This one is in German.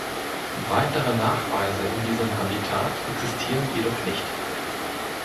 Weitere Nachweise in diesem Habitat existieren jedoch nicht.